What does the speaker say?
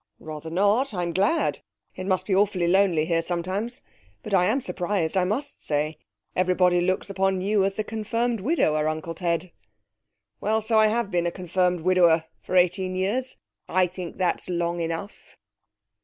'Rather not. I'm glad. It must be awfully lonely here sometimes. But I am surprised, I must say. Everybody looks upon you as a confirmed widower, Uncle Ted.' 'Well, so I have been a confirmed widower for eighteen years. I think that's long enough.'